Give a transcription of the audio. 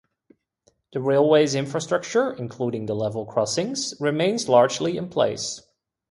The railway's infrastructure, including the level crossings, remains largely in place.